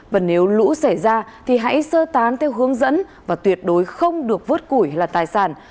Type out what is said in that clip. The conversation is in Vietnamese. và nếu lũ xảy ra thì hãy sơ tán theo hướng dẫn và tuyệt đối không được vớt củi là tài sản